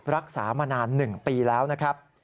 รักษามานาน๑ปีแล้วนะครับ